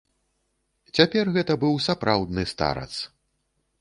Цяпер гэта быў сапраўдны старац.